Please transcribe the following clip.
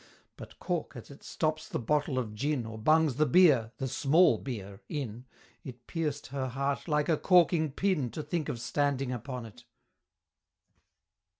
But cork, as it stops the bottle of gin, Or bungs the beer the small beer in, It pierced her heart like a corking pin, To think of standing upon it!